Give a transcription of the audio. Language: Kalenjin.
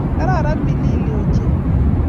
Kararan Millie ochei